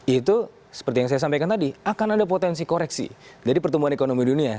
itu seperti yang saya sampaikan tadi akan ada potensi koreksi dari pertumbuhan ekonomi dunia